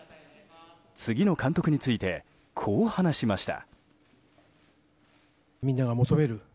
次の監督についてこう話しました。